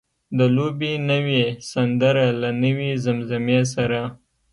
د لوبې نوې سندره له نوې زمزمې سره.